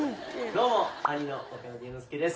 どうも兄の岡田隆之介です